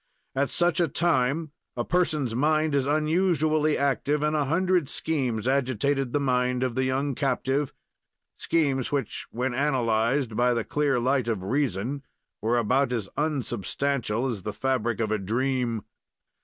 At such a time a person's mind is unusually active and a hundred schemes agitated the mind of the young captive schemes which, when analyzed by the clear light of reason, were about as unsubstantial as the fabric of a dream.